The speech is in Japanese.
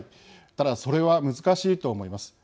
ただそれは難しいと思います。